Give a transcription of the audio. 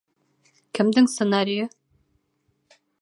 Кемдең сценарийы?